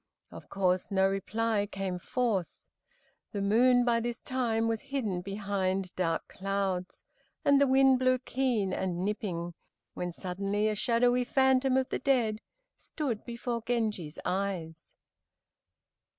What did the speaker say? Of course no reply came forth. The moon by this time was hidden behind dark clouds, and the winds blew keen and nipping, when suddenly a shadowy phantom of the dead stood before Genji's eyes.